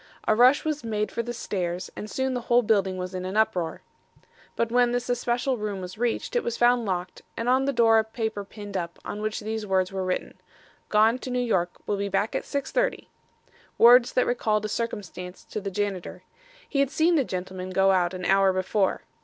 A rush was made for the stairs and soon the whole building was in an uproar. But when this especial room was reached, it was found locked and on the door a paper pinned up, on which these words were written: Gone to New York. Will be back at 6:30! Words that recalled a circumstance to the janitor. He had seen the gentleman go out an hour before.